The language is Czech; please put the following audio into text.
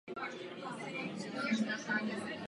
Pochází z letecké rodiny.